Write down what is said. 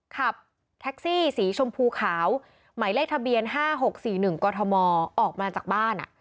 ขับแท็กซี่สีชมพูขาวหมายเลขทะเบียน๕๖๔๑กธมออกมาจากบ้าน